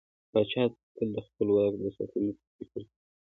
پاچا تل د خپل واک د ساتلو په فکر کې دى.